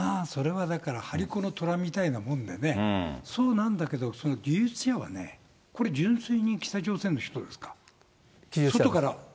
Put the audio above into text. だからそれは張り子のトラみたいなものでね、そうなんだけど、その技術者はね、これ、純粋に北朝鮮が、作ってる？外から。